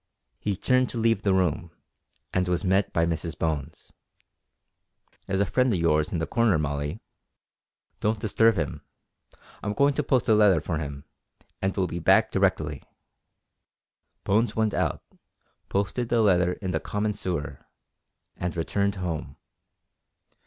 He turned to leave the room, and was met by Mrs Bones. "There's a friend o' yours in the corner, Molly. Don't disturb him. I'm goin' to post a letter for him, and will be back directly." Bones went out, posted the letter in the common sewer, and returned home.